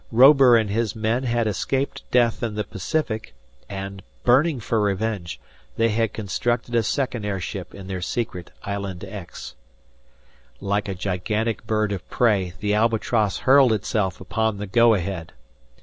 Robur and his men had escaped death in the Pacific; and, burning for revenge, they had constructed a second airship in their secret Island X. Like a gigantic bird of prey, the "Albatross" hurled itself upon the "Go Ahead."